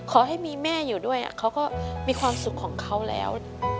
ขอให้มีแม่อยู่ด้วยเขาก็มีความสุขของเขาแล้ว